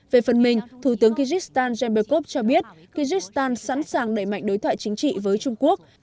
về phần mình thủ tướng kyrgyzstan zenbekov cho biết kyrgyzstan sẵn sàng đẩy mạnh đối thoại chính trị với trung quốc